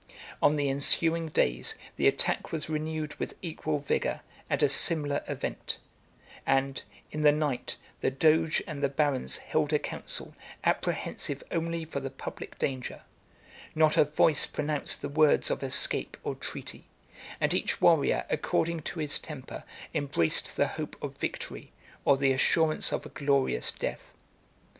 On the ensuing days, the attack was renewed with equal vigor, and a similar event; and, in the night, the doge and the barons held a council, apprehensive only for the public danger: not a voice pronounced the words of escape or treaty; and each warrior, according to his temper, embraced the hope of victory, or the assurance of a glorious death.